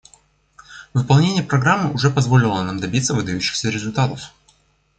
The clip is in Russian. Выполнение программы уже позволило нам добиться выдающихся результатов.